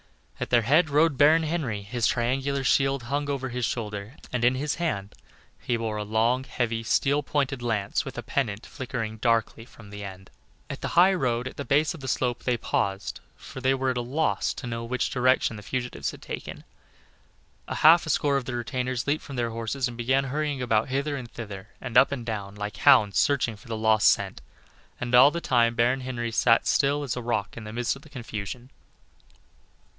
At their head rode Baron Henry; his triangular shield hung over his shoulder, and in his hand he bore a long, heavy, steel pointed lance with a pennant flickering darkly from the end. At the high road at the base of the slope they paused, for they were at a loss to know which direction the fugitives had taken; a half a score of the retainers leaped from their horses, and began hurrying about hither and thither, and up and down, like hounds searching for the lost scent, and all the time Baron Henry sat still as a rock in the midst of the confusion.